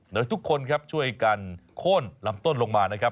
เดินทุกคนช่วยกันโค้นลำต้นลงมา